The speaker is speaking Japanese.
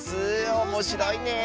おもしろいね！